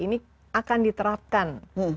ini akan diterapkan